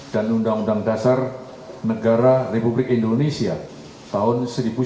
dan undang undang dasar negara republik indonesia tahun seribu sembilan ratus empat puluh lima